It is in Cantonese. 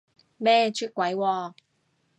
咩出軌喎？